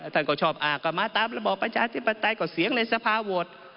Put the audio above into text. ท่านก็ชอบก็มาตามระบอบประชาธิปไตยก็เสียงในสภาโหวต